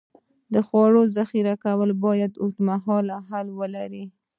د خوړو ذخیره کول باید اوږدمهاله حل ولري.